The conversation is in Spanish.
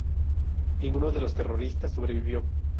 Ninguno de los terroristas sobrevivió.